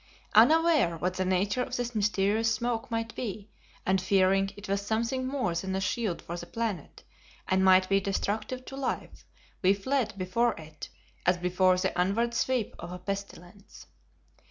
Unaware what the nature of this mysterious smoke might be, and fearing it was something more than a shield for the planet, and might be destructive to life, we fled before it, as before the onward sweep of a pestilence.